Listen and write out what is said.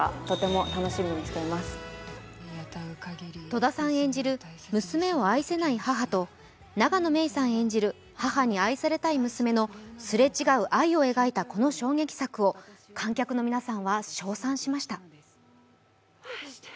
戸田さん演じる娘を愛せない母と永野芽郁さん演じる、母に愛されたい娘のすれ違う愛を描いたこの衝撃作を観客の皆さんは称賛しました。